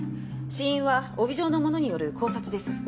死因は帯状のものによる絞殺です。